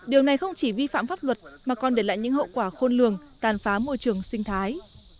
điều này không chỉ vi phạm pháp luật mà còn để lại những hậu quả khôn lường tàn phá môi trường sinh thái